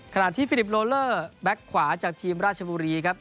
ขณะที่ฟิลิปโลเลอร์แบ็คขวาจากทีมราชบุรีครับ